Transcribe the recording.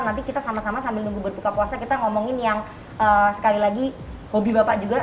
nanti kita sama sama sambil nunggu berbuka puasa kita ngomongin yang sekali lagi hobi bapak juga